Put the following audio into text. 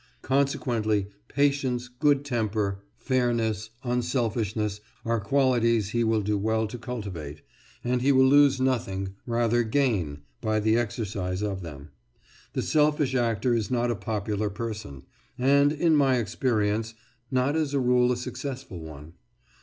Consequently patience, good temper, fairness, unselfishness are qualities be will do well to cultivate, and he will lose nothing, rather gain, by the exercise of them. The selfish actor is not a popular person, and, in my experience, not as a rule a successful one.